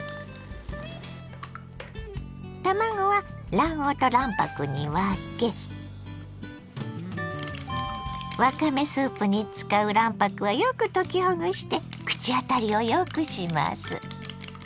卵は卵黄と卵白に分けわかめスープに使う卵白はよく溶きほぐして口当たりをよくします。